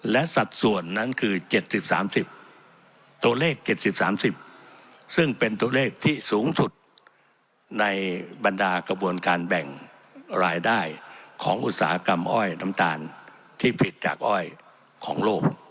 และสัดส่วนนั้นคือ๗๐๓๐ตัวเลข๗๐๓๐ซึ่งเป็นตัวเลขที่สูงสุดในบรรดากระบวนการแบ่งรายได้ของอุตสาหกรรมอ้อยน้ำตาลที่ผิดจากอ้อยของโลก